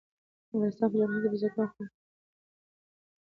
د افغانستان په جغرافیه کې بزګان خورا ستر اهمیت لري.